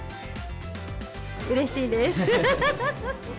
うれしいです。